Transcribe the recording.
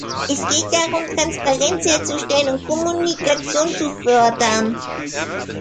Es geht darum, Transparenz herzustellen und Kommunikation zu fördern.